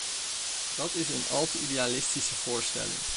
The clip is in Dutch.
Dat is een al te idealistische voorstelling.